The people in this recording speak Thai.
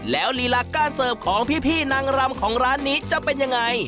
แล้วลีลาการเสิร์ฟของพี่นางรำของร้านนี้จะเป็นยังไง